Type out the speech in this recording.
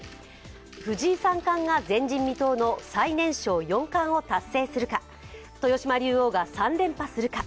藤井三冠が前人未到の最年少四冠を達成するか豊島竜王が３連覇するか。